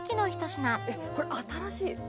「えっこれ新しい！